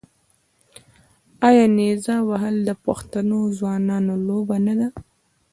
آیا نیزه وهل د پښتنو ځوانانو لوبه نه ده؟